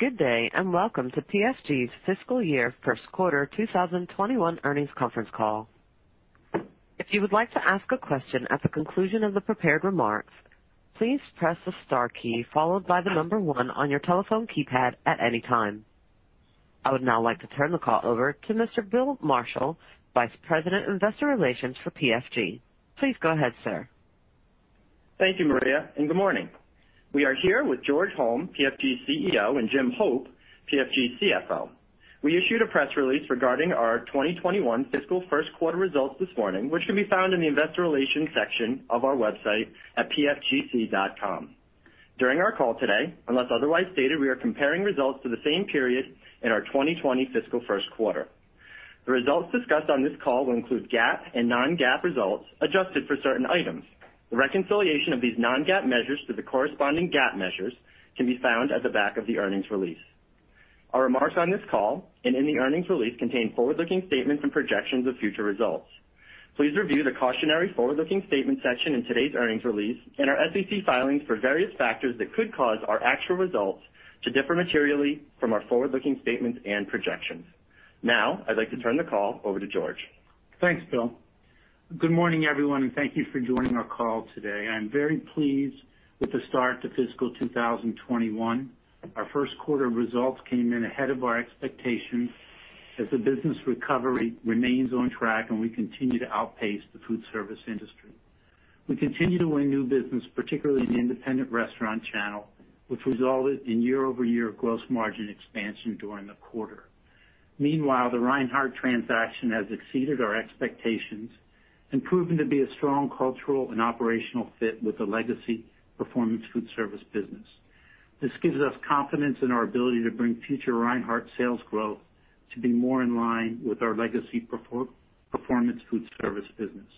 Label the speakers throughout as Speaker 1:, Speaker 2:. Speaker 1: Good day, welcome to PFG's Fiscal Year First Quarter 2021 earnings conference call. If you would like to ask a question at the conclusion of the prepared remarks, please press the star key followed by the number one on your telephone keypad at any time. I would now like to turn the call over to Mr. Bill Marshall, Vice President, Investor Relations for PFG. Please go ahead, sir.
Speaker 2: Thank you, Maria, and good morning. We are here with George Holm, PFG's CEO, and James Hope, PFG's CFO. We issued a press release regarding our 2021 fiscal first quarter results this morning, which can be found in the investor relations section of our website at pfgc.com. During our call today, unless otherwise stated, we are comparing results to the same period in our 2020 fiscal first quarter. The results discussed on this call will include GAAP and non-GAAP results adjusted for certain items. The reconciliation of these non-GAAP measures to the corresponding GAAP measures can be found at the back of the earnings release. Our remarks on this call and in the earnings release contain forward-looking statements and projections of future results. Please review the Cautionary Forward-Looking Statement section in today's earnings release and our SEC filings for various factors that could cause our actual results to differ materially from our forward-looking statements and projections. Now, I'd like to turn the call over to George.
Speaker 3: Thanks, Bill. Good morning, everyone, and thank you for joining our call today. I am very pleased with the start to fiscal 2021. Our first quarter results came in ahead of our expectations as the business recovery remains on track and we continue to outpace the food service industry. We continue to win new business, particularly in the independent restaurant channel, which resulted in year-over-year gross margin expansion during the quarter. Meanwhile, the Reinhart transaction has exceeded our expectations and proven to be a strong cultural and operational fit with the legacy Performance Foodservice business. This gives us confidence in our ability to bring future Reinhart sales growth to be more in line with our legacy Performance Foodservice business.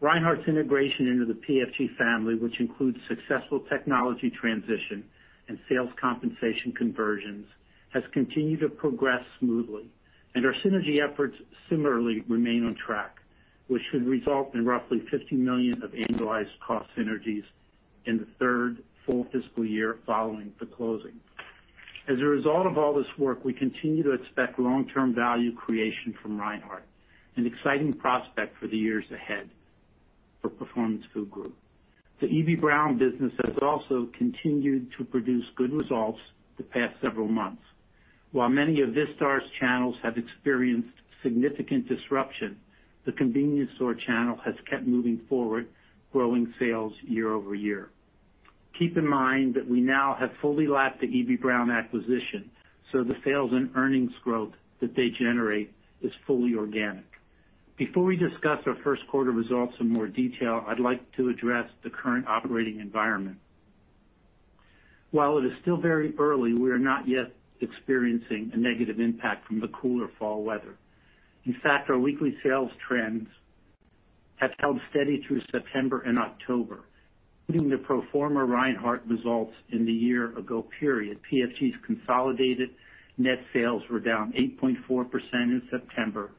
Speaker 3: Reinhart's integration into the PFG family, which includes successful technology transition and sales compensation conversions, has continued to progress smoothly, and our synergy efforts similarly remain on track, which should result in roughly $50 million of annualized cost synergies in the third full fiscal year following the closing. As a result of all this work, we continue to expect long-term value creation from Reinhart, an exciting prospect for the years ahead for Performance Food Group. The Eby-Brown business has also continued to produce good results the past several months. While many of Vistar's channels have experienced significant disruption, the convenience store channel has kept moving forward, growing sales year-over-year. Keep in mind that we now have fully lapped the Eby-Brown acquisition, so the sales and earnings growth that they generate is fully organic. Before we discuss our first quarter results in more detail, I'd like to address the current operating environment. While it is still very early, we are not yet experiencing a negative impact from the cooler fall weather. In fact, our weekly sales trends have held steady through September and October. Including the pro forma Reinhart results in the year ago period, PFG's consolidated net sales were down 8.4% in September,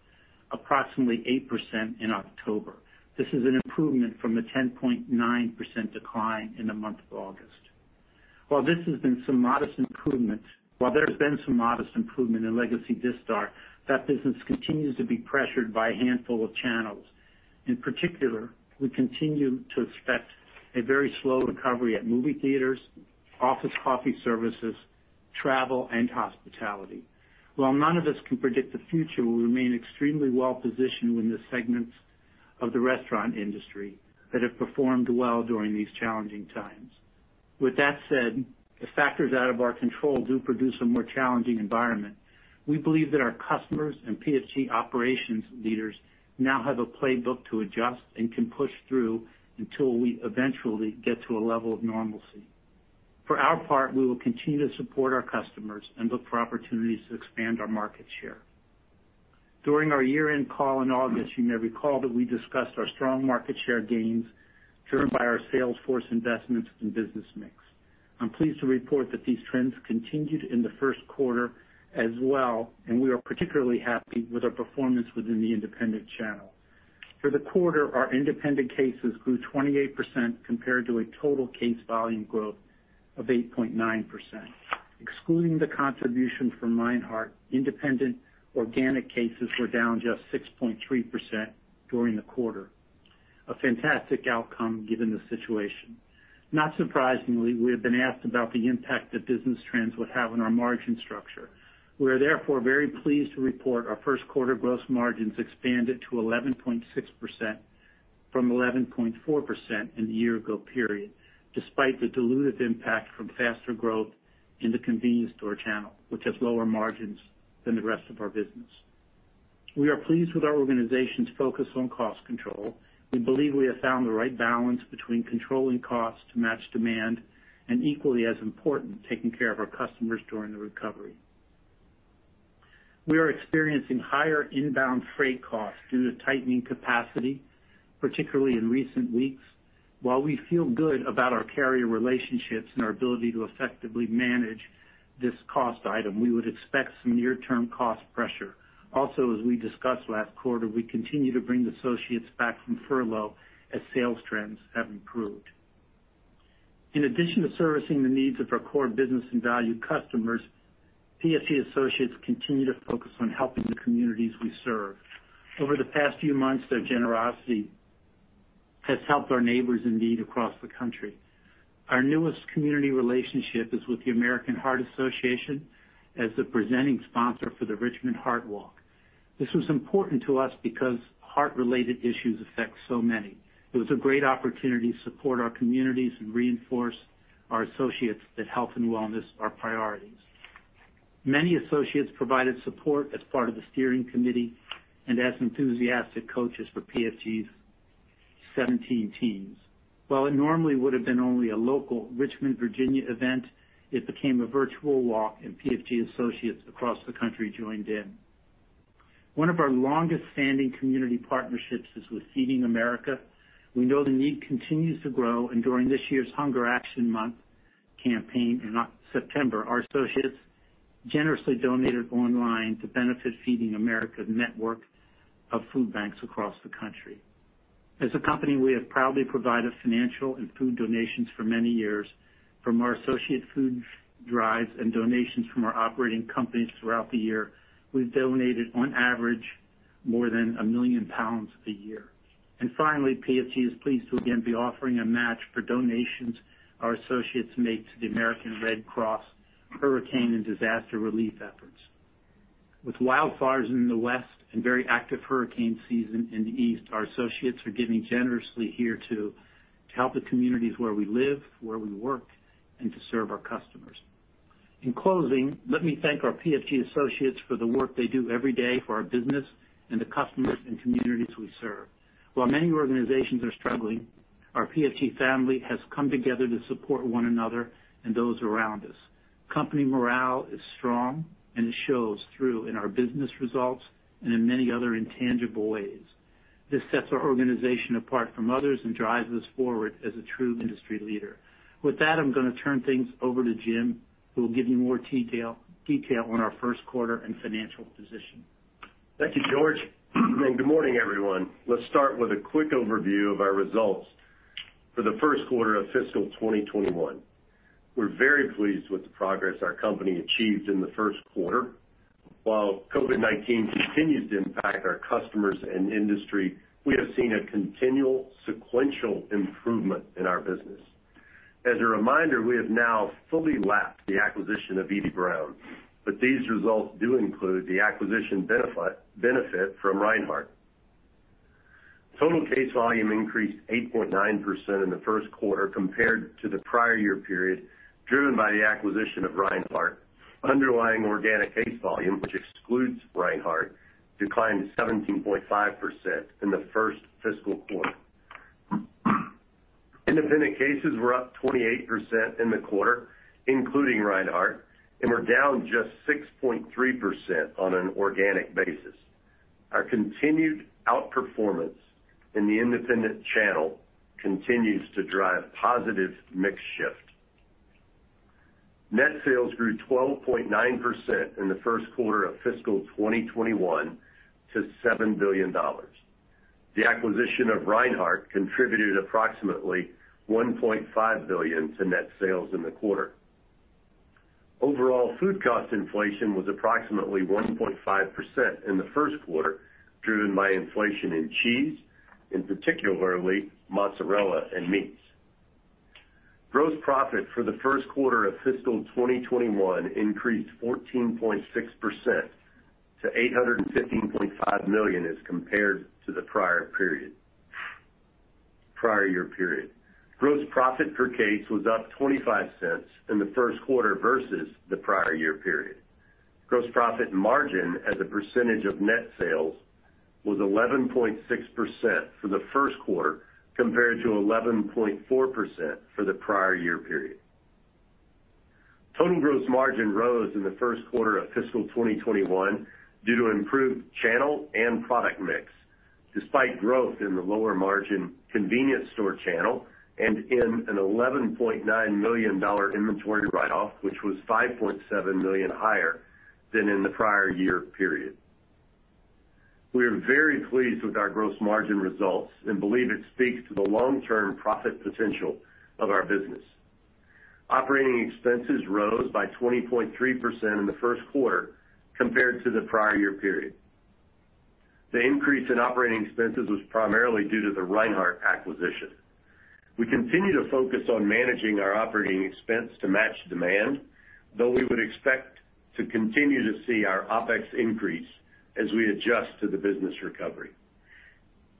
Speaker 3: approximately 8% in October. This is an improvement from the 10.9% decline in the month of August. While there has been some modest improvement in legacy Vistar, that business continues to be pressured by a handful of channels. In particular, we continue to expect a very slow recovery at movie theaters, office coffee services, travel, and hospitality. While none of us can predict the future, we remain extremely well positioned in the segments of the restaurant industry that have performed well during these challenging times. With that said, if factors out of our control do produce a more challenging environment, we believe that our customers and PFG operations leaders now have a playbook to adjust and can push through until we eventually get to a level of normalcy. For our part, we will continue to support our customers and look for opportunities to expand our market share. During our year-end call in August, you may recall that we discussed our strong market share gains driven by our sales force investments and business mix. I am pleased to report that these trends continued in the first quarter as well, and we are particularly happy with our performance within the independent channel. For the quarter, our independent cases grew 28% compared to a total case volume growth of 8.9%. Excluding the contribution from Reinhart, independent organic cases were down just 6.3% during the quarter. A fantastic outcome given the situation. Not surprisingly, we have been asked about the impact that business trends would have on our margin structure. We are therefore very pleased to report our first quarter gross margins expanded to 11.6% from 11.4% in the year ago period, despite the dilutive impact from faster growth in the convenience store channel, which has lower margins than the rest of our business. We are pleased with our organization's focus on cost control. We believe we have found the right balance between controlling costs to match demand, and equally as important, taking care of our customers during the recovery. We are experiencing higher inbound freight costs due to tightening capacity, particularly in recent weeks. While we feel good about our carrier relationships and our ability to effectively manage this cost item, we would expect some near-term cost pressure. Also, as we discussed last quarter, we continue to bring associates back from furlough as sales trends have improved. In addition to servicing the needs of our core business and valued customers, PFG associates continue to focus on helping the communities we serve. Over the past few months, their generosity has helped our neighbors in need across the country. Our newest community relationship is with the American Heart Association as the presenting sponsor for the Richmond Heart Walk. This was important to us because heart-related issues affect so many. It was a great opportunity to support our communities and reinforce our associates that health and wellness are priorities. Many associates provided support as part of the steering committee and as enthusiastic coaches for PFG's 17 teams. While it normally would have been only a local Richmond, Virginia event, it became a virtual walk, and PFG associates across the country joined in. One of our longest-standing community partnerships is with Feeding America. We know the need continues to grow, and during this year's Hunger Action Month campaign in September, our associates generously donated online to benefit Feeding America's network of food banks across the country. As a company, we have proudly provided financial and food donations for many years from our associate food drives and donations from our operating companies throughout the year. We've donated, on average, more than 1 million pounds a year. Finally, PFG is pleased to again be offering a match for donations our associates make to the American Red Cross hurricane and disaster relief efforts. With wildfires in the West and very active hurricane season in the East, our associates are giving generously here to help the communities where we live, where we work, and to serve our customers. In closing, let me thank our PFG associates for the work they do every day for our business and the customers and communities we serve. While many organizations are struggling, our PFG family has come together to support one another and those around us. Company morale is strong, and it shows through in our business results and in many other intangible ways. This sets our organization apart from others and drives us forward as a true industry leader. With that, I'm going to turn things over to Jim, who will give you more detail on our first quarter and financial position.
Speaker 4: Thank you, George. Good morning, everyone. Let's start with a quick overview of our results for the first quarter of fiscal 2021. We're very pleased with the progress our company achieved in the first quarter. While COVID-19 continues to impact our customers and industry, we have seen a continual sequential improvement in our business. As a reminder, we have now fully lapped the acquisition of Eby-Brown, but these results do include the acquisition benefit from Reinhart. Total case volume increased 8.9% in the first quarter compared to the prior year period, driven by the acquisition of Reinhart. Underlying organic case volume, which excludes Reinhart, declined 17.5% in the first fiscal quarter. Independent cases were up 28% in the quarter, including Reinhart, and were down just 6.3% on an organic basis. Our continued outperformance in the independent channel continues to drive positive mix shift. Net sales grew 12.9% in the first quarter of fiscal 2021 to $7 billion. The acquisition of Reinhart contributed approximately $1.5 billion to net sales in the quarter. Overall, food cost inflation was approximately 1.5% in the first quarter, driven by inflation in cheese, and particularly mozzarella and meats. Gross profit for the first quarter of fiscal 2021 increased 14.6% to $815.5 million as compared to the prior year period. Gross profit per case was up $0.25 in the first quarter versus the prior year period. Gross profit margin as a percentage of net sales was 11.6% for the first quarter, compared to 11.4% for the prior year period. Total gross margin rose in the first quarter of fiscal 2021 due to improved channel and product mix, despite growth in the lower margin convenience store channel and in an $11.9 million inventory write-off, which was $5.7 million higher than in the prior year period. We are very pleased with our gross margin results and believe it speaks to the long-term profit potential of our business. Operating expenses rose by 20.3% in the first quarter compared to the prior year period. The increase in operating expenses was primarily due to the Reinhart acquisition. We continue to focus on managing our operating expense to match demand, though we would expect to continue to see our OpEx increase as we adjust to the business recovery.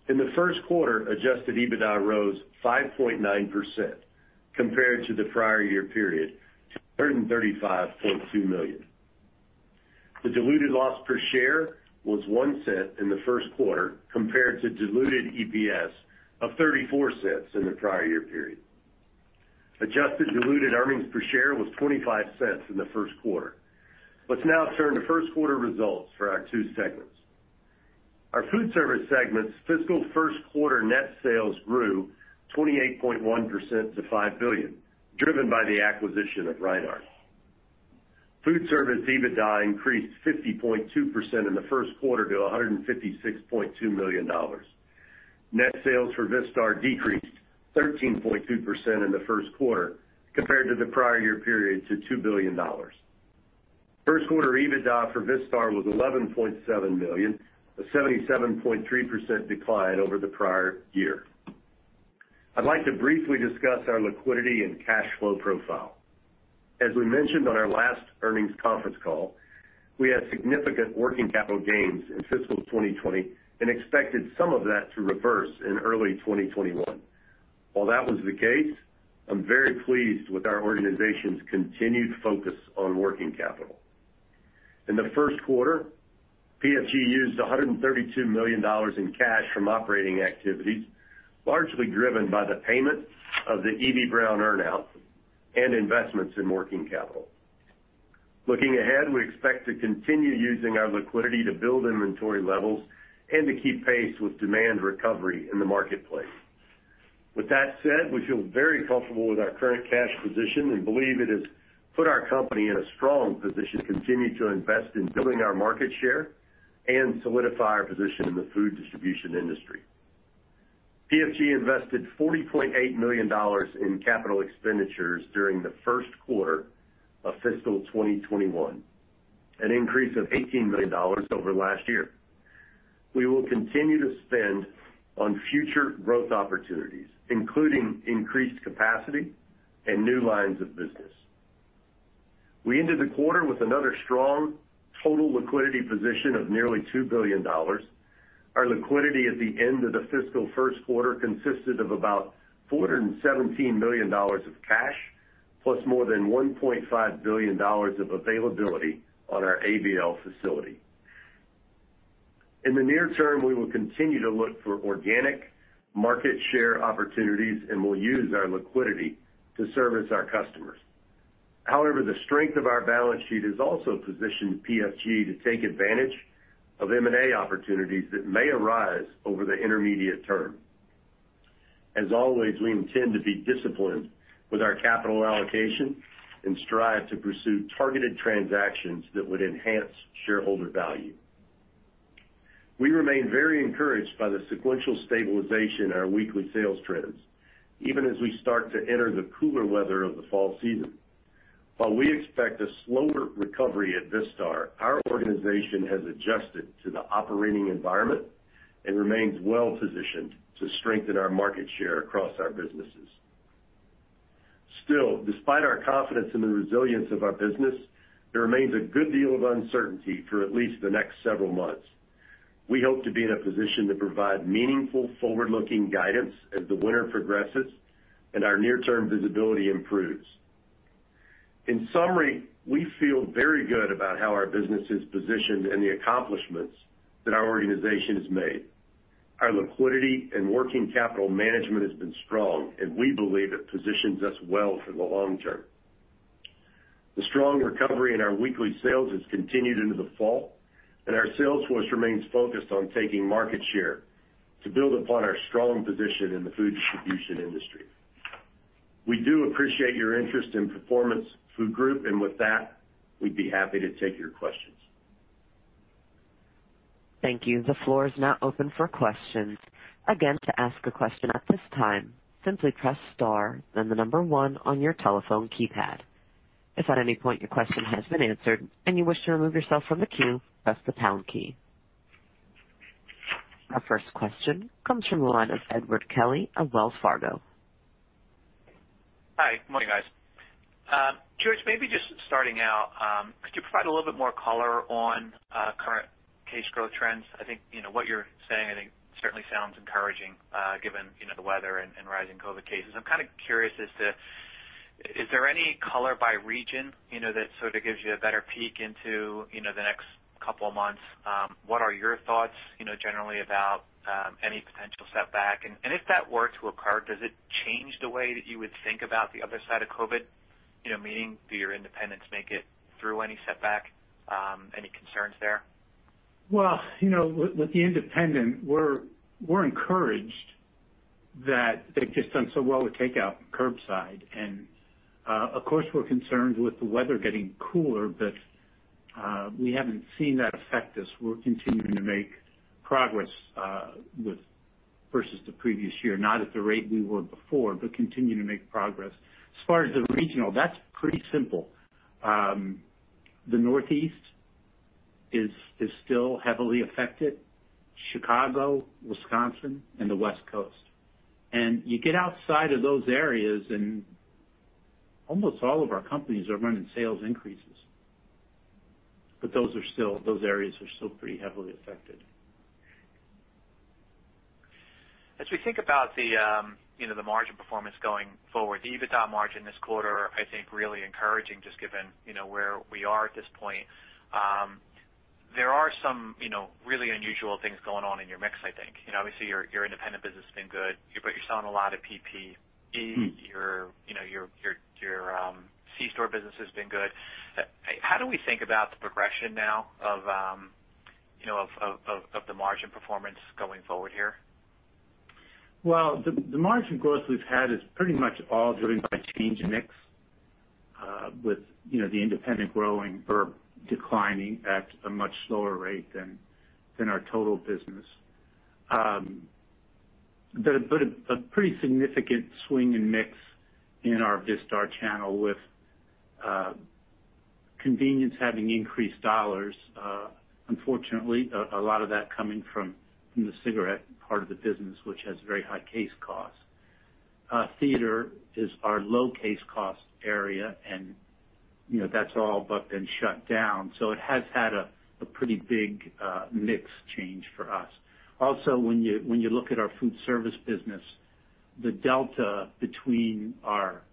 Speaker 4: In the first quarter, adjusted EBITDA rose 5.9% compared to the prior year period to $335.2 million. The diluted loss per share was $0.01 in the first quarter, compared to diluted EPS of $0.34 in the prior year period. Adjusted diluted earnings per share was $0.25 in the first quarter. Let's now turn to first quarter results for our two segments. Our food service segment's fiscal first quarter net sales grew 28.1% to $5 billion, driven by the acquisition of Reinhart Foodservice. EBITDA increased 50.2% in the first quarter to $156.2 million. Net sales for Vistar decreased 13.2% in the first quarter compared to the prior year period to $2 billion. First quarter EBITDA for Vistar was $11.7 million, a 77.3% decline over the prior year. I'd like to briefly discuss our liquidity and cash flow profile. As we mentioned on our last earnings conference call, we had significant working capital gains in fiscal 2020 and expected some of that to reverse in early 2021. While that was the case, I'm very pleased with our organization's continued focus on working capital. In the first quarter, PFG used $132 million in cash from operating activities, largely driven by the payment of the Eby-Brown earn-out and investments in working capital. Looking ahead, we expect to continue using our liquidity to build inventory levels and to keep pace with demand recovery in the marketplace. With that said, we feel very comfortable with our current cash position and believe it has put our company in a strong position to continue to invest in building our market share and solidify our position in the food distribution industry. PFG invested $40.8 million in capital expenditures during the first quarter of fiscal 2021, an increase of $18 million over last year. We will continue to spend on future growth opportunities, including increased capacity and new lines of business. We ended the quarter with another strong total liquidity position of nearly $2 billion. Our liquidity at the end of the fiscal first quarter consisted of about $417 million of cash, plus more than $1.5 billion of availability on our ABL facility. In the near term, we will continue to look for organic market share opportunities and will use our liquidity to service our customers. However, the strength of our balance sheet has also positioned PFG to take advantage of M&A opportunities that may arise over the intermediate term. As always, we intend to be disciplined with our capital allocation and strive to pursue targeted transactions that would enhance shareholder value. We remain very encouraged by the sequential stabilization in our weekly sales trends, even as we start to enter the cooler weather of the fall season. While we expect a slower recovery at Vistar, our organization has adjusted to the operating environment and remains well-positioned to strengthen our market share across our businesses. Still, despite our confidence in the resilience of our business, there remains a good deal of uncertainty for at least the next several months. We hope to be in a position to provide meaningful forward-looking guidance as the winter progresses and our near-term visibility improves. In summary, we feel very good about how our business is positioned and the accomplishments that our organization has made. Our liquidity and working capital management has been strong, and we believe it positions us well for the long term. The strong recovery in our weekly sales has continued into the fall, and our sales force remains focused on taking market share to build upon our strong position in the food distribution industry. We do appreciate your interest in Performance Food Group, and with that, we'd be happy to take your questions.
Speaker 1: Thank you. The floor is now open for questions. Our first question comes from the line of Edward Kelly of Wells Fargo.
Speaker 5: Hi. Good morning, guys. George, maybe just starting out, could you provide a little bit more color on current case growth trends? I think what you're saying, I think certainly sounds encouraging, given the weather and rising COVID cases. I'm kind of curious as to, is there any color by region, that sort of gives you a better peek into the next couple of months? What are your thoughts, generally about any potential setback? If that were to occur, does it change the way that you would think about the other side of COVID? Meaning, do your independents make it through any setback? Any concerns there?
Speaker 3: With the independent, we're encouraged that they've just done so well with takeout and curbside. Of course, we're concerned with the weather getting cooler, but we haven't seen that affect us. We're continuing to make progress, versus the previous year. Not at the rate we were before, but continue to make progress. As far as the regional, that's pretty simple. The Northeast is still heavily affected. Chicago, Wisconsin, and the West Coast. You get outside of those areas, and almost all of our companies are running sales increases. Those areas are still pretty heavily affected.
Speaker 5: As we think about the margin performance going forward, the EBITDA margin this quarter, I think really encouraging, just given where we are at this point. There are some really unusual things going on in your mix, I think. Obviously, your independent business has been good, but you're selling a lot of PPE. Your C-store business has been good. How do we think about the progression now of the margin performance going forward here?
Speaker 3: Well, the margin growth we've had is pretty much all driven by change in mix, with the independent growing or declining at a much slower rate than our total business. A pretty significant swing in mix in our Vistar channel with convenience having increased dollars. Unfortunately, a lot of that coming from the cigarette part of the business, which has very high case costs. Theater is our low-case cost area, and that's all but been shut down. It has had a pretty big mix change for us. Also, when you look at our foodservice business, the delta between our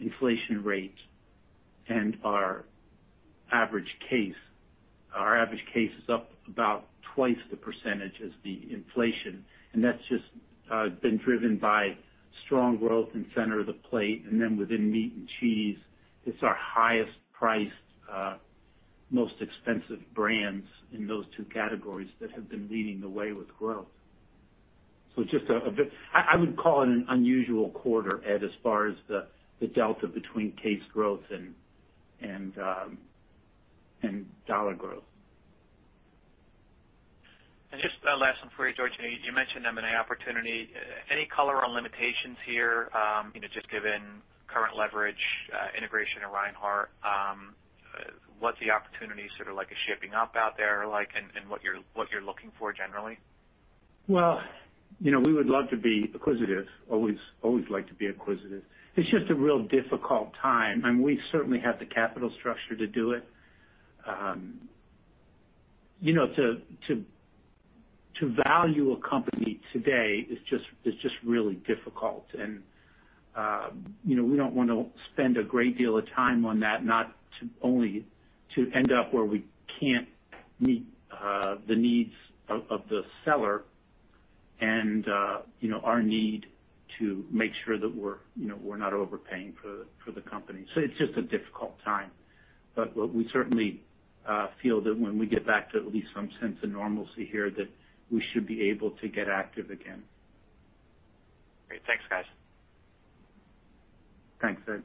Speaker 3: inflation rate and our average case, our average case is up about twice the percentage as the inflation. That's just been driven by strong growth in center of the plate. Within meat and cheese, it's our highest priced, most expensive brands in those two categories that have been leading the way with growth. I would call it an unusual quarter, Ed, as far as the delta between case growth and dollar growth.
Speaker 5: Just last one for you, George. You mentioned M&A opportunity. Any color on limitations here? Just given current leverage, integration of Reinhart, what's the opportunity like shaping out there like, and what you're looking for generally?
Speaker 3: Well, we would love to be acquisitive. Always like to be acquisitive. It's just a real difficult time. We certainly have the capital structure to do it. To value a company today is just really difficult. We don't want to spend a great deal of time on that, not to only to end up where we can't meet the needs of the seller and our need to make sure that we're not overpaying for the company. It's just a difficult time. We certainly feel that when we get back to at least some sense of normalcy here, that we should be able to get active again.
Speaker 5: Great. Thanks, guys.
Speaker 3: Thanks, Ed.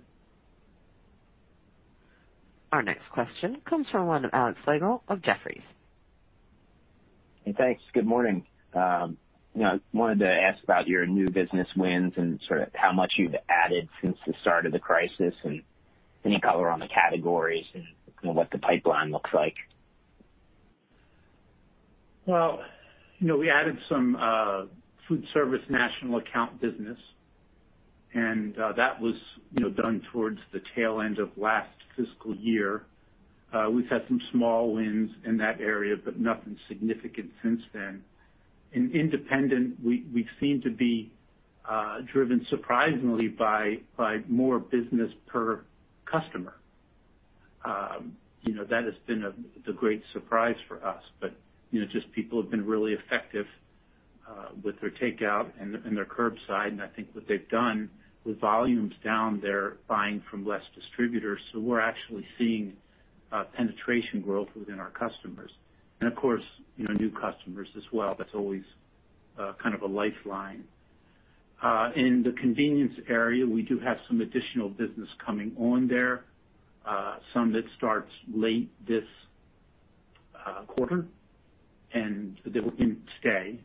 Speaker 1: Our next question comes from one Alex Slagle of Jefferies.
Speaker 6: Hey, thanks. Good morning. I wanted to ask about your new business wins and sort of how much you've added since the start of the crisis, and any color on the categories and what the pipeline looks like.
Speaker 3: Well, we added some food service national account business. That was done towards the tail end of last fiscal year. We've had some small wins in that area. Nothing significant since then. In independent, we seem to be driven surprisingly by more business per customer. That has been the great surprise for us. Just people have been really effective with their takeout and their curbside. I think what they've done with volumes down, they're buying from less distributors. We're actually seeing penetration growth within our customers. Of course, new customers as well. That's always kind of a lifeline. In the convenience area, we do have some additional business coming on there. Some that starts late this quarter. That will stay.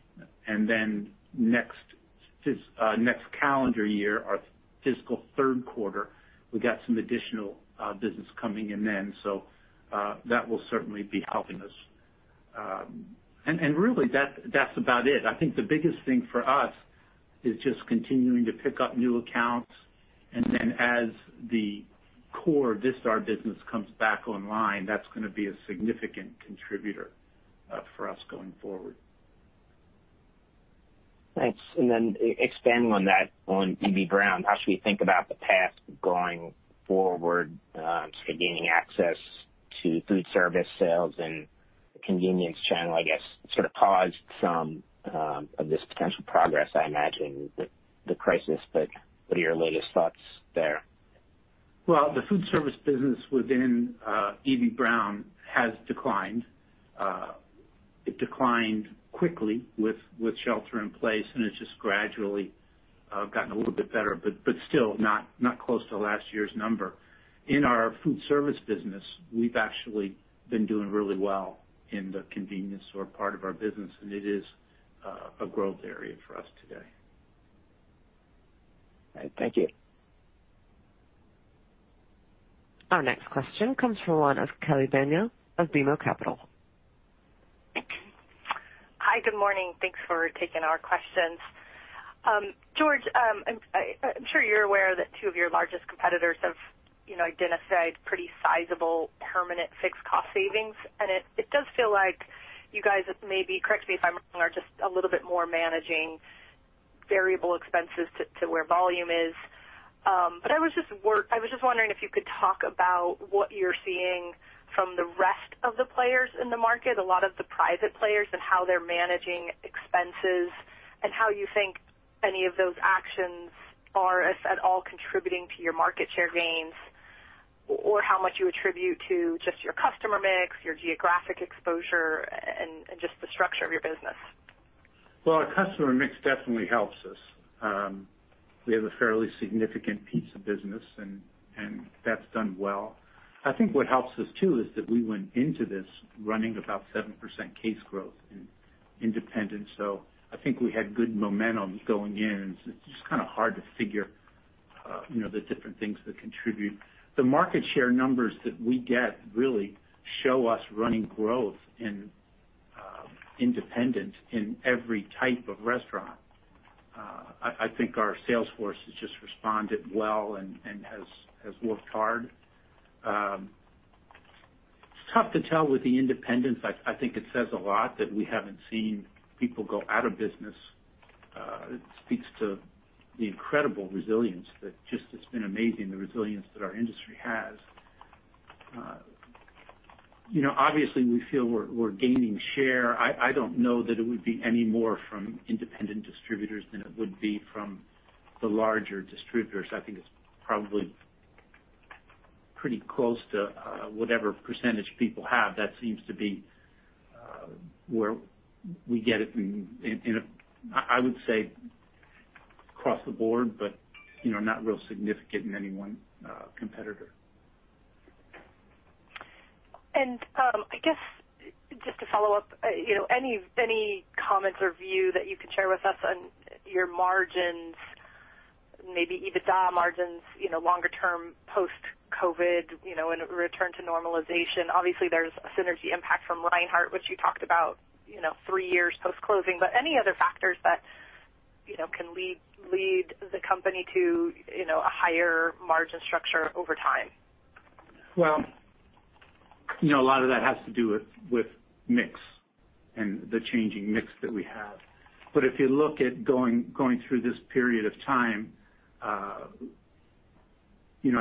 Speaker 3: Next calendar year, our fiscal third quarter, we got some additional business coming in then. That will certainly be helping us. Really, that's about it. I think the biggest thing for us is just continuing to pick up new accounts, and then as the core Vistar business comes back online, that's gonna be a significant contributor for us going forward.
Speaker 6: Thanks. Expanding on that, on Eby-Brown, how should we think about the path going forward sort of gaining access to foodservice sales and the convenience channel, I guess, sort of paused some of this potential progress, I imagine, with the crisis. What are your latest thoughts there?
Speaker 3: Well, the food service business within Eby-Brown has declined. It declined quickly with shelter in place, and it's just gradually gotten a little bit better, but still not close to last year's number. In our food service business, we've actually been doing really well in the convenience store part of our business, and it is a growth area for us today.
Speaker 6: All right. Thank you.
Speaker 1: Our next question comes from one of Kelly Bania of BMO Capital.
Speaker 7: Hi, good morning. Thanks for taking our questions. George, I'm sure you're aware that two of your largest competitors have identified pretty sizable permanent fixed cost savings. It does feel like you guys may be, correct me if I'm wrong, are just a little bit more managing variable expenses to where volume is. I was just wondering if you could talk about what you're seeing from the rest of the players in the market, a lot of the private players, and how they're managing expenses. How you think any of those actions are, if at all, contributing to your market share gains? Or how much you attribute to just your customer mix, your geographic exposure, and just the structure of your business?
Speaker 3: Our customer mix definitely helps us. We have a fairly significant pizza business, and that's done well. I think what helps us too is that we went into this running about 7% case growth in independent. I think we had good momentum going in. It's just kind of hard to figure the different things that contribute. The market share numbers that we get really show us running growth in independent, in every type of restaurant. I think our sales force has just responded well and has worked hard. It's tough to tell with the independents. I think it says a lot that we haven't seen people go out of business. It speaks to the incredible resilience that just has been amazing, the resilience that our industry has. Obviously, we feel we're gaining share. I don't know that it would be any more from independent distributors than it would be from the larger distributors. I think it's probably pretty close to whatever percentage people have. That seems to be where we get it in, I would say, across the board, but not real significant in any one competitor.
Speaker 7: I guess, just to follow up, any comments or view that you could share with us on your margins, maybe EBITDA margins, longer term post-COVID, in a return to normalization. Obviously, there's a synergy impact from Reinhart, which you talked about, three years post-closing. Any other factors that can lead the company to a higher margin structure over time?
Speaker 3: A lot of that has to do with mix and the changing mix that we have. If you look at going through this period of time, I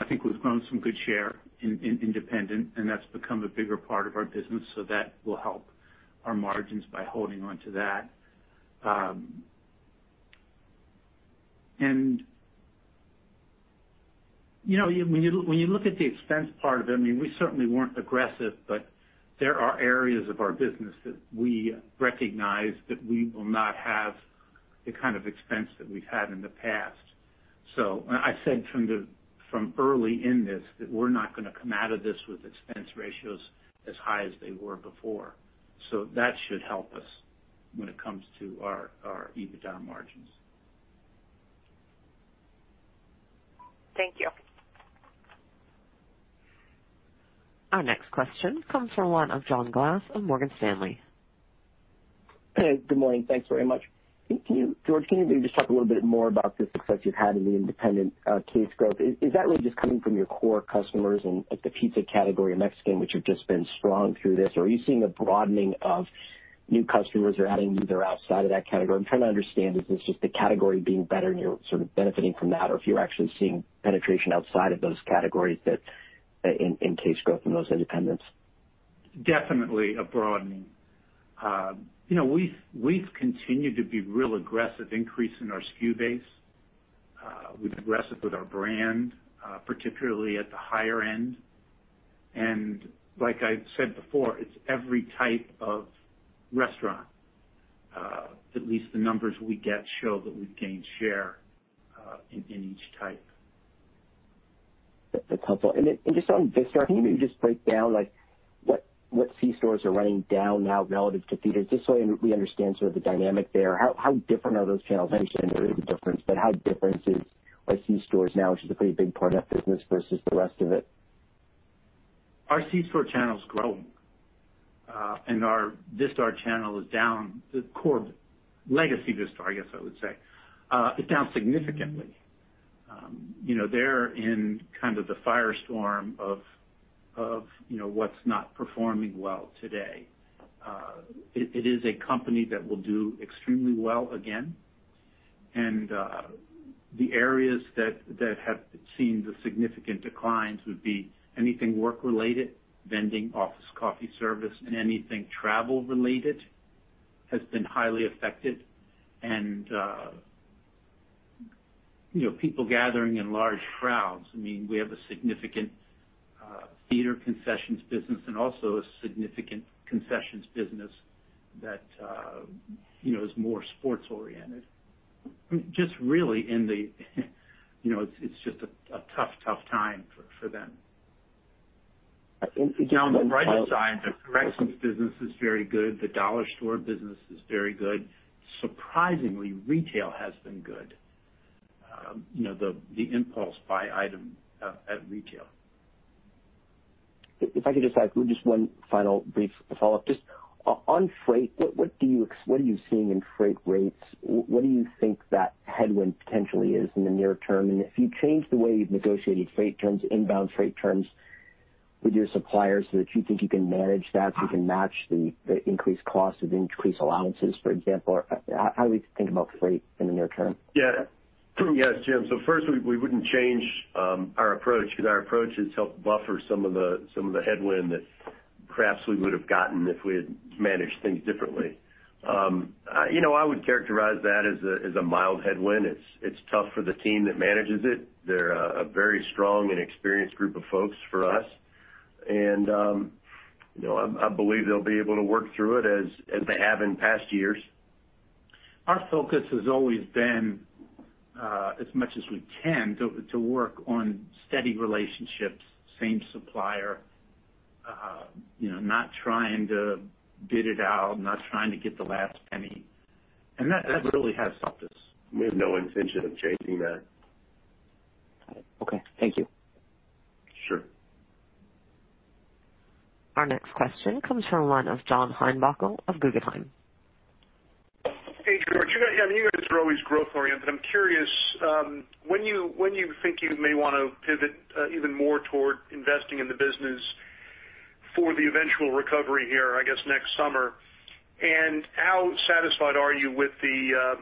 Speaker 3: think we've grown some good share in independent, and that's become a bigger part of our business. That will help our margins by holding onto that. When you look at the expense part of it, we certainly weren't aggressive, but there are areas of our business that we recognize that we will not have the kind of expense that we've had in the past. I said from early in this that we're not going to come out of this with expense ratios as high as they were before. That should help us when it comes to our EBITDA margins.
Speaker 7: Thank you.
Speaker 1: Our next question comes from the line of John Glass of Morgan Stanley.
Speaker 8: Hey, good morning. Thanks very much. George, can you maybe just talk a little bit more about the success you've had in the independent case growth? Is that really just coming from your core customers in like the pizza category or Mexican, which have just been strong through this? Are you seeing a broadening of new customers or adding either outside of that category? I'm trying to understand, is this just the category being better and you're sort of benefiting from that, or if you're actually seeing penetration outside of those categories that in case growth in those independents.
Speaker 3: Definitely a broadening. We've continued to be real aggressive increase in our SKU base. We've been aggressive with our brand, particularly at the higher end. Like I've said before, it's every type of restaurant. At least the numbers we get show that we've gained share in each type.
Speaker 8: That's helpful. Just on Vistar, can you maybe just break down what C stores are running down now relative to theaters, just so we understand sort of the dynamic there. How different are those channels? I understand there is a difference, but how different is a C stores now, which is a pretty big part of the business versus the rest of it?
Speaker 3: Our C-store channel's growing. Our Vistar channel is down, the core legacy Vistar, I guess I would say, is down significantly. They're in kind of the firestorm of what's not performing well today. It is a company that will do extremely well again. The areas that have seen the significant declines would be anything work-related, vending, office coffee service, and anything travel-related has been highly affected. People gathering in large crowds. We have a significant theater concessions business and also a significant concessions business that is more sports-oriented. Just really, it's just a tough time for them.
Speaker 8: Just one follow-up.
Speaker 3: On the bright side, the corrections business is very good. The dollar store business is very good. Surprisingly, retail has been good. The impulse buy item at retail.
Speaker 8: If I could just ask just one final brief follow-up. Just on freight, what are you seeing in freight rates? What do you think that headwind potentially is in the near term? If you change the way you've negotiated freight terms, inbound freight terms with your suppliers, do you think you can manage that? You can match the increased cost of increased allowances, for example? How do we think about freight in the near term?
Speaker 4: Yes, It's Jim. First, we wouldn't change our approach because our approach has helped buffer some of the headwind that. Perhaps we would have gotten if we had managed things differently. I would characterize that as a mild headwind. It's tough for the team that manages it. They're a very strong and experienced group of folks for us. I believe they'll be able to work through it as they have in past years.
Speaker 3: Our focus has always been, as much as we can, to work on steady relationships, same supplier, not trying to bid it out, not trying to get the last penny. That really has helped us.
Speaker 4: We have no intention of changing that.
Speaker 8: Got it. Okay. Thank you.
Speaker 4: Sure.
Speaker 1: Our next question comes from the line of John Heinbockel of Guggenheim.
Speaker 9: Hey, George. You guys are always growth-oriented. I'm curious, when you think you may want to pivot even more toward investing in the business for the eventual recovery here, I guess, next summer. How satisfied are you with the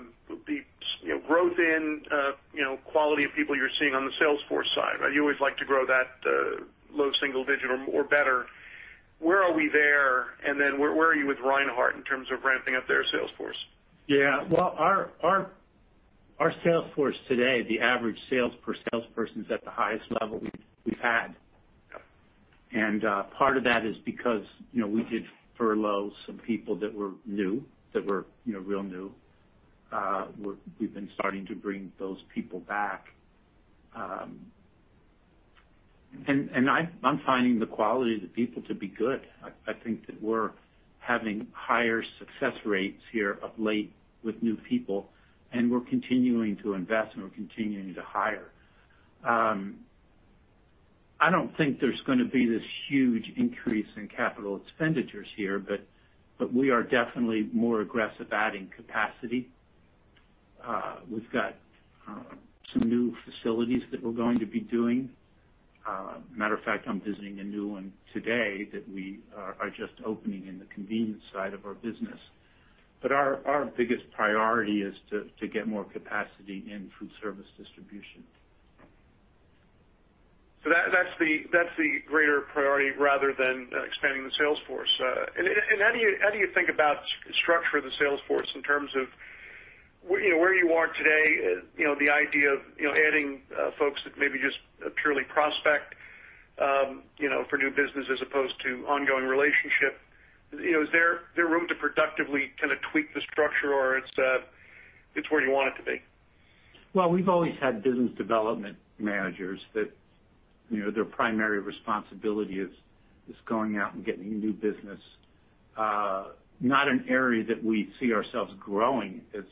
Speaker 9: growth in quality of people you're seeing on the sales force side? You always like to grow that low single digit or better. Where are we there? Where are you with Reinhart in terms of ramping up their sales force?
Speaker 3: Yeah. Well, our sales force today, the average sales per salesperson is at the highest level we've had.
Speaker 9: Yeah.
Speaker 3: Part of that is because we did furlough some people that were new, that were real new. We've been starting to bring those people back. I'm finding the quality of the people to be good. I think that we're having higher success rates here of late with new people, and we're continuing to invest and we're continuing to hire. I don't think there's going to be this huge increase in capital expenditures here, but we are definitely more aggressive adding capacity. We've got some new facilities that we're going to be doing. Matter of fact, I'm visiting a new one today that we are just opening in the convenience side of our business. Our biggest priority is to get more capacity in food service distribution.
Speaker 9: That's the greater priority rather than expanding the sales force. How do you think about structure of the sales force in terms of where you are today, the idea of adding folks that maybe just purely prospect for new business as opposed to ongoing relationship? Is there room to productively kind of tweak the structure or it's where you want it to be?
Speaker 3: Well, we've always had business development managers that their primary responsibility is going out and getting new business. Not an area that we see ourselves growing really.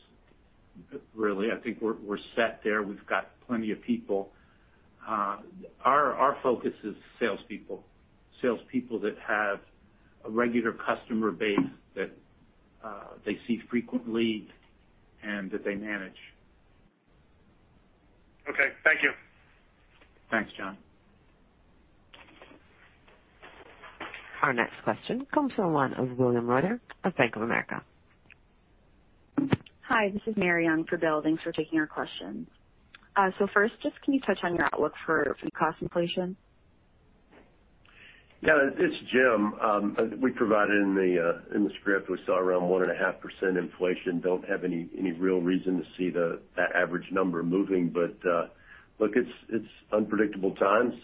Speaker 3: I think we're set there. We've got plenty of people. Our focus is salespeople. Salespeople that have a regular customer base that they see frequently and that they manage.
Speaker 9: Okay. Thank you.
Speaker 3: Thanks, John.
Speaker 1: Our next question comes from the line of William Reuter of Bank of America.
Speaker 10: Hi, this is Mary Young for Bill. Thanks for taking our questions. First, just can you touch on your outlook for food cost inflation?
Speaker 4: Yeah. It's Jim. We provided in the script, we saw around 1.5% inflation. Don't have any real reason to see that average number moving. Look, it's unpredictable times,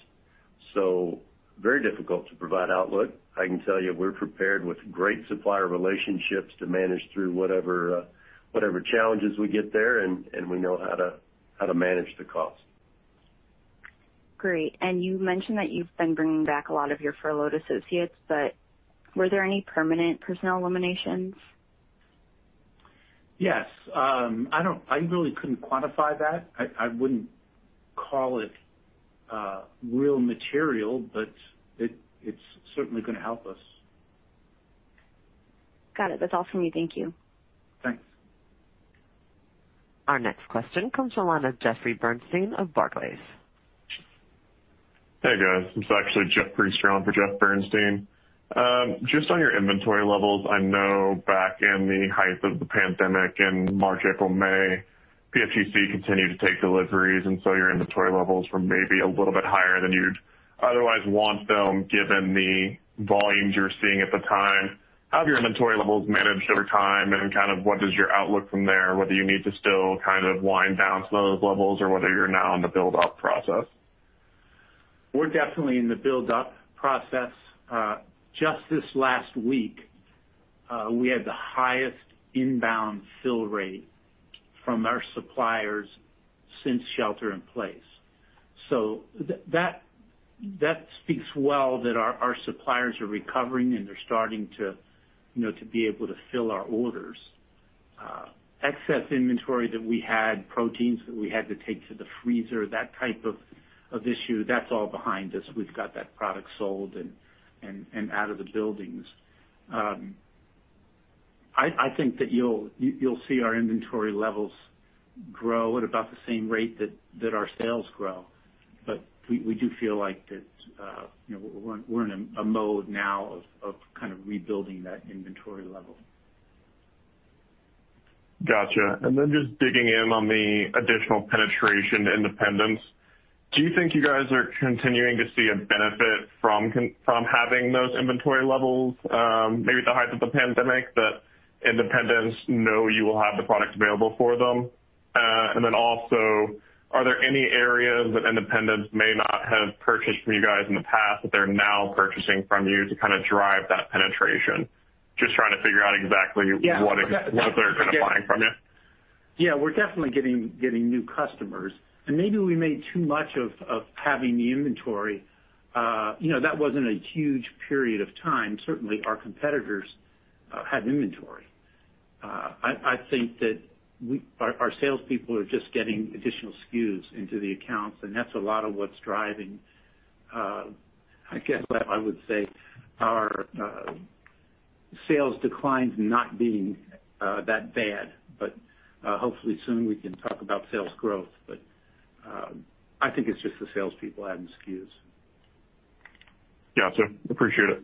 Speaker 4: so very difficult to provide outlook. I can tell you we're prepared with great supplier relationships to manage through whatever challenges we get there, and we know how to manage the cost.
Speaker 10: Great. You mentioned that you've been bringing back a lot of your furloughed associates, but were there any permanent personnel eliminations?
Speaker 3: Yes. I really couldn't quantify that. I wouldn't call it real material, but it's certainly going to help us.
Speaker 10: Got it. That's all from me. Thank you.
Speaker 3: Thanks.
Speaker 1: Our next question comes from the line of Jeffrey Bernstein of Barclays.
Speaker 11: Hey, guys. It's actually Jeff Priester for Jeff Bernstein. Just on your inventory levels, I know back in the height of the pandemic in March, April, May, PFG continued to take deliveries, and so your inventory levels were maybe a little bit higher than you'd otherwise want them, given the volumes you were seeing at the time. How have your inventory levels managed over time, and kind of what is your outlook from there? Whether you need to still kind of wind down some of those levels or whether you're now in the build-up process?
Speaker 3: We're definitely in the build-up process. Just this last week, we had the highest inbound fill rate from our suppliers since shelter in place. That speaks well that our suppliers are recovering, and they're starting to be able to fill our orders. Excess inventory that we had, proteins that we had to take to the freezer, that type of issue, that's all behind us. We've got that product sold and out of the buildings. I think that you'll see our inventory levels grow at about the same rate that our sales grow. We do feel like that we're in a mode now of kind of rebuilding that inventory level.
Speaker 11: Got you. Just digging in on the additional penetration to independents, do you think you guys are continuing to see a benefit from having those inventory levels, maybe at the height of the pandemic, that independents know you will have the product available for them? Also, are there any areas that independents may not have purchased from you guys in the past that they're now purchasing from you to kind of drive that penetration?
Speaker 3: Yeah.
Speaker 11: -it is that they're kind of buying from you.
Speaker 3: Yeah. We're definitely getting new customers. Maybe we made too much of having the inventory. That wasn't a huge period of time. Certainly, our competitors had inventory. I think that our salespeople are just getting additional SKUs into the accounts, and that's a lot of what's driving, I guess what I would say, our sales declines not being that bad. Hopefully soon we can talk about sales growth. I think it's just the salespeople adding SKUs.
Speaker 11: Got you. Appreciate it.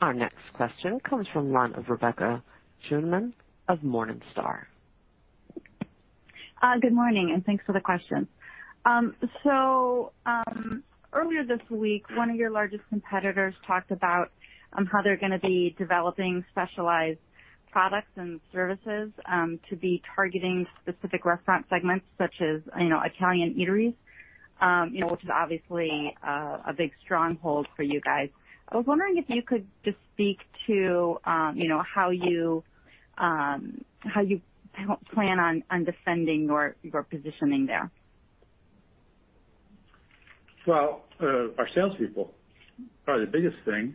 Speaker 1: Our next question comes from the line of Rebecca Scheuneman of Morningstar.
Speaker 12: Good morning, and thanks for the question. Earlier this week, one of your largest competitors talked about how they're going to be developing specialized products and services, to be targeting specific restaurant segments such as Italian eateries. Which is obviously a big stronghold for you guys. I was wondering if you could just speak to how you plan on defending your positioning there?
Speaker 3: Our salespeople are the biggest thing.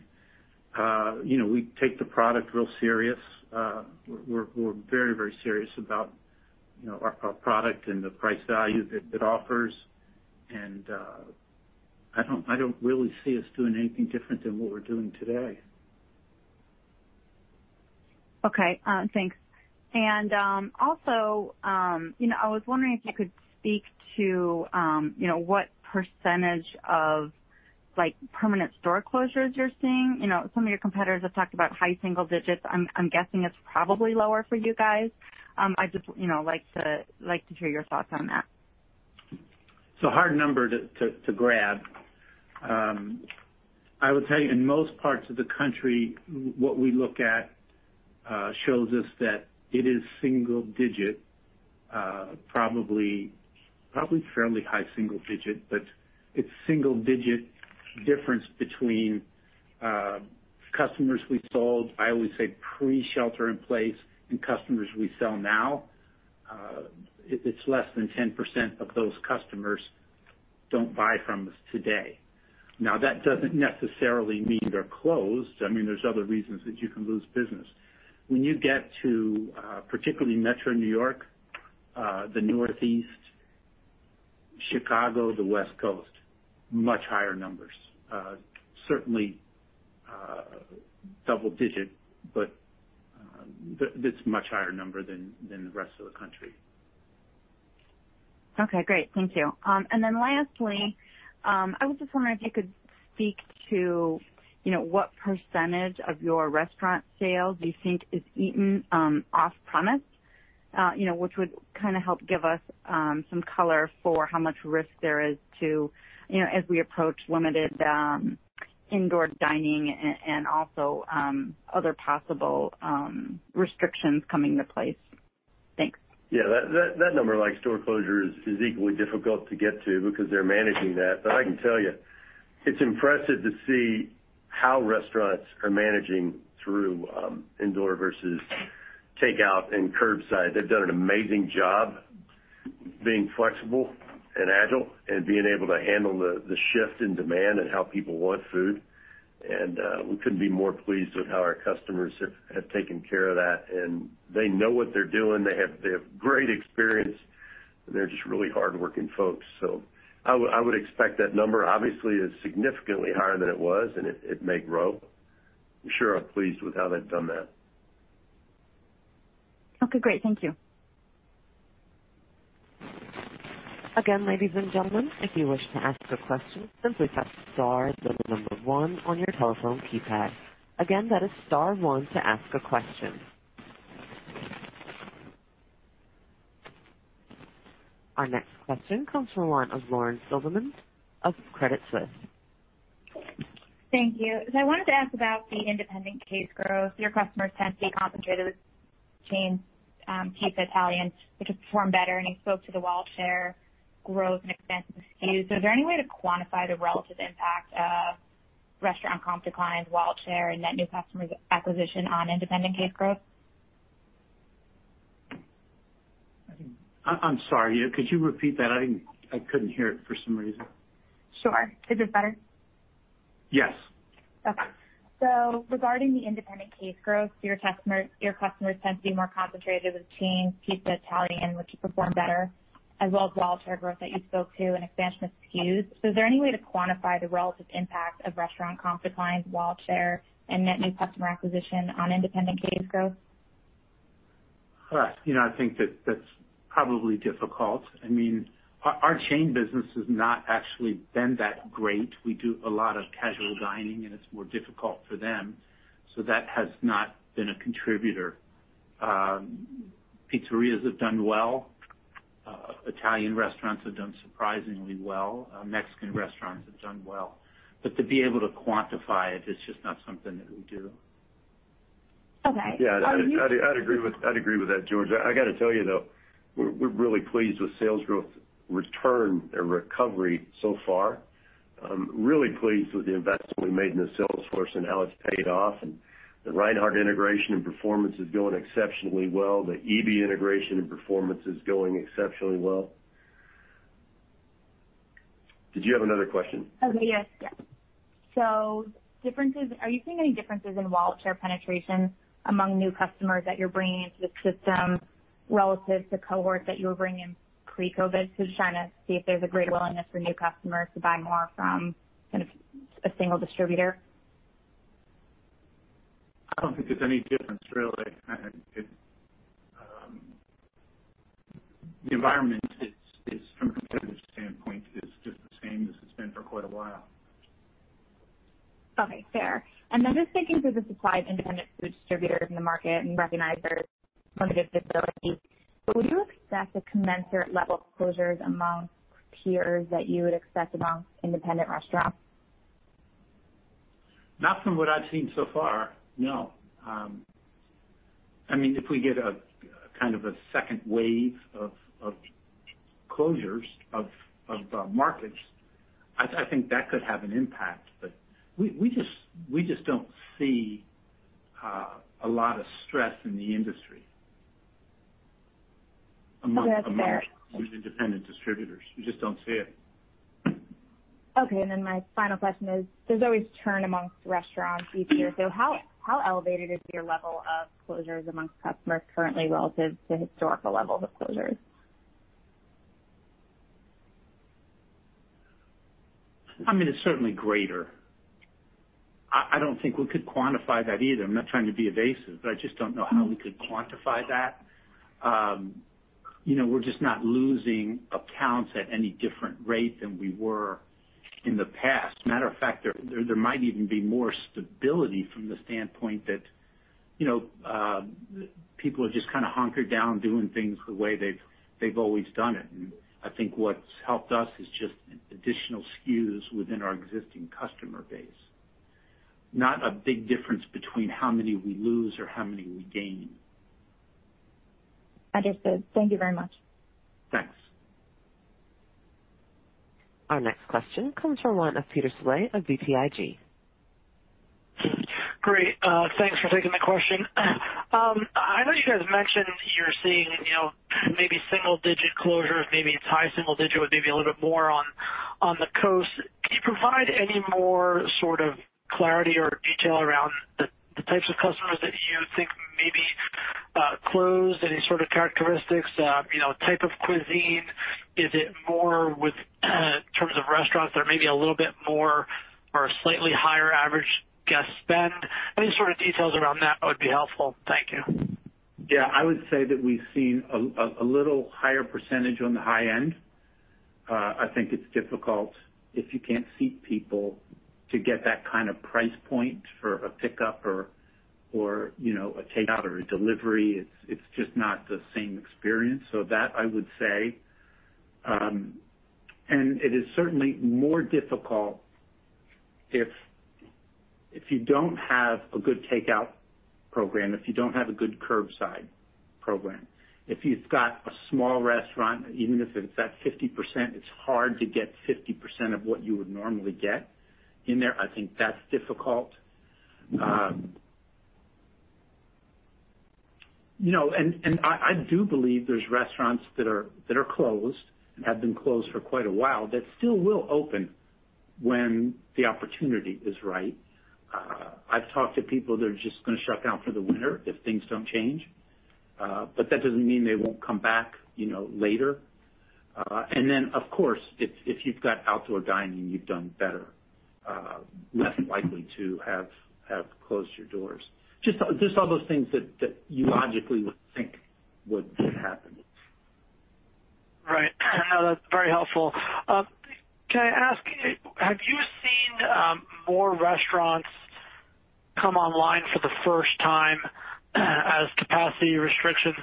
Speaker 3: We take the product real serious. We're very serious about our product and the price value that it offers. I don't really see us doing anything different than what we're doing today.
Speaker 12: Okay. Thanks. Also, I was wondering if you could speak to what percentage of permanent store closures you're seeing. Some of your competitors have talked about high single digits. I'm guessing it's probably lower for you guys. I'd just like to hear your thoughts on that.
Speaker 3: It's a hard number to grab. I will tell you, in most parts of the country, what we look at shows us that it is single digit, probably fairly high single digit, but it's single digit difference between customers we sold, I always say pre-shelter in place, and customers we sell now. It's less than 10% of those customers don't buy from us today. That doesn't necessarily mean they're closed. There's other reasons that you can lose business. When you get to, particularly metro New York, the Northeast, Chicago, the West Coast, much higher numbers. Certainly double digit, it's much higher number than the rest of the country.
Speaker 12: Okay, great. Thank you. Lastly, I was just wondering if you could speak to what percentage of your restaurant sales do you think is eaten off-premise, which would kind of help give us some color for how much risk there is to, as we approach limited indoor dining and also other possible restrictions coming into place. Thanks.
Speaker 3: Yeah, that number, like store closures, is equally difficult to get to because they're managing that. I can tell you, it's impressive to see how restaurants are managing through indoor versus takeout and curbside. They've done an amazing job being flexible and agile and being able to handle the shift in demand and how people want food. We couldn't be more pleased with how our customers have taken care of that, and they know what they're doing. They have great experience, and they're just really hardworking folks. I would expect that number obviously is significantly higher than it was, and it may grow. I'm sure I'm pleased with how they've done that.
Speaker 12: Okay, great. Thank you.
Speaker 1: Again, ladies and gentlemen, if you wish to ask a question, simply press star then the number one on your telephone keypad. Again, that is star one to ask a question. Our next question comes from the line of Lauren Silberman of Credit Suisse.
Speaker 13: Thank you. I wanted to ask about the independent case growth. Your customers tend to be concentrated with chain, pizza, Italian, which have performed better, and you spoke to the wallet share growth and expansion of SKUs. Is there any way to quantify the relative impact of restaurant comp declines, wallet share, and net new customer acquisition on independent case growth?
Speaker 3: I'm sorry. Could you repeat that? I couldn't hear it for some reason.
Speaker 13: Sure. Is this better?
Speaker 3: Yes.
Speaker 13: Okay. Regarding the independent case growth, your customers tend to be more concentrated with chain, pizza, Italian, which have performed better, as well as wallet share growth that you spoke to and expansion of SKUs. Is there any way to quantify the relative impact of restaurant comp declines, wallet share, and net new customer acquisition on independent case growth?
Speaker 3: Right. I think that's probably difficult. Our chain business has not actually been that great. We do a lot of casual dining, and it's more difficult for them. That has not been a contributor. Pizzerias have done well. Italian restaurants have done surprisingly well. Mexican restaurants have done well. To be able to quantify it's just not something that we do.
Speaker 13: Okay. Are you-
Speaker 4: Yeah. I'd agree with that, George. I got to tell you, though, we're really pleased with sales growth return and recovery so far. Really pleased with the investment we made in the sales force and how it's paid off. The Reinhart integration and performance is going exceptionally well. The Eby integration and performance is going exceptionally well. Did you have another question?
Speaker 13: Okay, yes. Are you seeing any differences in wallet share penetration among new customers that you're bringing into the system relative to cohorts that you were bringing pre-COVID? Just trying to see if there's a greater willingness for new customers to buy more from a single distributor.
Speaker 3: I don't think there's any difference, really. The environment, from a competitive standpoint, is just the same as it's been for quite a while.
Speaker 13: Okay. Fair. Just thinking through the supply of independent food distributors in the market and recognize there's limited visibility, but would you expect a commensurate level of closures among peers that you would expect among independent restaurants?
Speaker 3: Not from what I've seen so far, no. If we get a second wave of closures of markets, I think that could have an impact. We just don't see a lot of stress in the industry.
Speaker 13: That's fair.
Speaker 3: Among these independent distributors, we just don't see it.
Speaker 13: My final question is, there's always churn amongst restaurants each year. How elevated is your level of closures amongst customers currently relative to historical levels of closures?
Speaker 3: It's certainly greater. I don't think we could quantify that either. I'm not trying to be evasive, but I just don't know how we could quantify that. We're just not losing accounts at any different rate than we were in the past. Matter of fact, there might even be more stability from the standpoint that people are just hunkered down doing things the way they've always done it. I think what's helped us is just additional SKUs within our existing customer base. Not a big difference between how many we lose or how many we gain.
Speaker 13: Understood. Thank you very much.
Speaker 3: Thanks.
Speaker 1: Our next question comes from the line of Peter Saleh of BTIG.
Speaker 14: Great. Thanks for taking my question. I know you guys mentioned you're seeing maybe single-digit closures, maybe high single digit or maybe a little bit more on the coast. Can you provide any more sort of clarity or detail around the types of customers that you think may be closed? Any sort of characteristics, type of cuisine? Is it more with terms of restaurants that are maybe a little bit more or slightly higher average guest spend? Any sort of details around that would be helpful. Thank you.
Speaker 3: Yeah. I would say that we've seen a little higher percentage on the high end. I think it's difficult if you can't seat people to get that kind of price point for a pickup or a takeout or a delivery. It's just not the same experience. That I would say. It is certainly more difficult if you don't have a good takeout program, if you don't have a good curbside program. If you've got a small restaurant, even if it's at 50%, it's hard to get 50% of what you would normally get in there. I think that's difficult. I do believe there's restaurants that are closed and have been closed for quite a while that still will open when the opportunity is right. I've talked to people that are just going to shut down for the winter if things don't change. That doesn't mean they won't come back later. Then, of course, if you've got outdoor dining, you've done better, less likely to have closed your doors. Just all those things that you logically would think would happen.
Speaker 14: Right. No, that's very helpful. Can I ask, have you seen more restaurants come online for the first time as capacity restrictions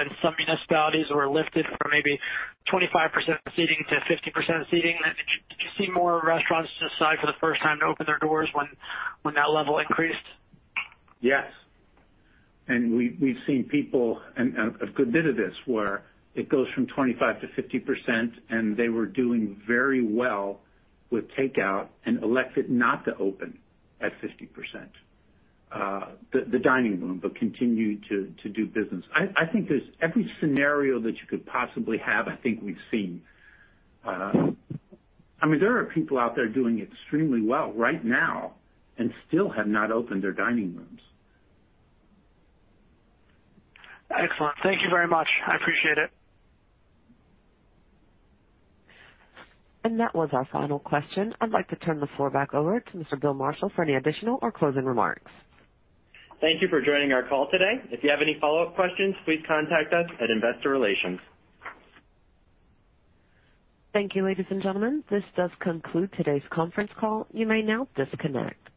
Speaker 14: in some municipalities were lifted from maybe 25% seating to 50% seating? Did you see more restaurants decide for the first time to open their doors when that level increased?
Speaker 3: Yes. We've seen people, and a good bit of this, where it goes from 25%- 50%, and they were doing very well with takeout and elected not to open at 50%, the dining room, but continued to do business. I think every scenario that you could possibly have, I think we've seen. There are people out there doing extremely well right now and still have not opened their dining rooms.
Speaker 14: Excellent. Thank you very much. I appreciate it.
Speaker 1: That was our final question. I'd like to turn the floor back over to Mr. Bill Marshall for any additional or closing remarks.
Speaker 2: Thank you for joining our call today. If you have any follow-up questions, please contact us at investor relations.
Speaker 1: Thank you, ladies and gentlemen. This does conclude today's conference call. You may now disconnect.